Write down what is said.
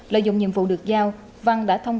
lợi dụng nhiệm vụ được giao văn đã thông